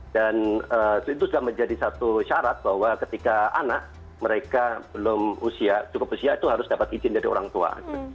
dan itu sudah menjadi satu syarat bahwa ketika anak mereka belum usia cukup usia itu harus dapat izin dari orang tua